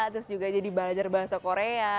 terus juga jadi belajar bahasa korea